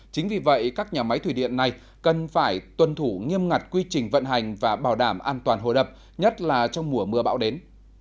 chính vì vậy các nhà máy thủy điện này cần phải tuân thủ nghiêm ngặt quy trình vận hành và bảo đảm an toàn hồ đập nhất là trong mùa mưa bão đến